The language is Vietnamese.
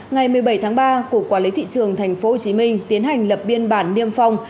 ngày một mươi bảy tháng ba cục quản lý thị trường tp hcm tiến hành lập biên bản niêm phong